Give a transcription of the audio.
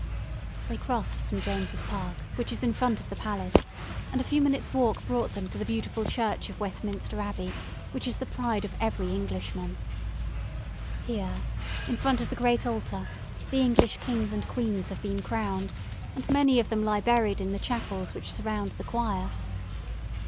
They crossed St. James's Park, which is in front of the palace, and a few minutes' walk brought them to the beautiful church of Westminster Abbey, which is the pride of every Englishman. Here, in front of the great altar, the English kings and queens have been crowned, and many of them lie buried in the chapels which surround the choir.